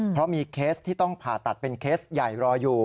เพราะมีเคสที่ต้องผ่าตัดเป็นเคสใหญ่รออยู่